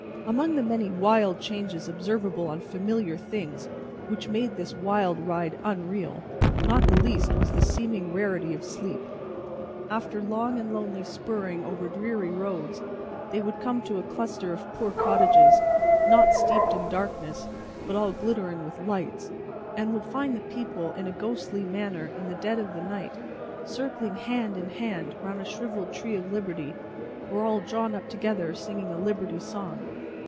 Among the many wild changes observable on familiar things which made this wild ride unreal, not the least was the seeming rarity of sleep. After long and lonely spurring over dreary roads, they would come to a cluster of poor cottages, not steeped in darkness, but all glittering with lights, and would find the people, in a ghostly manner in the dead of the night, circling hand in hand round a shrivelled tree of Liberty, or all drawn up together singing a Liberty song.